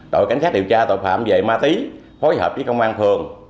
đội cảnh sát điều tra tội phạm về ma túy phối hợp với công an phường